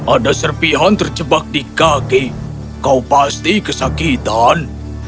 ada serpihan terjebak di kaki kau pasti kesakitan